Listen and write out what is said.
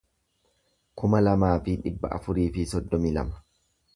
kuma lamaa fi dhibba afurii fi soddomii lama